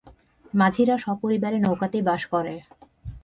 মাঝিরা সপরিবারে নৌকাতেই বাস করে।